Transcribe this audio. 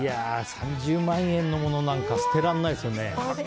３０万円のものなんか捨てられないですね。